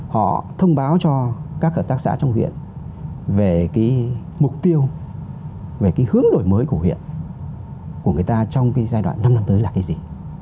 họ thông báo cho các hợp tác xã trong huyện về cái mục tiêu về cái hướng đổi mới của huyện của người ta trong cái giai đoạn năm năm tới là cái gì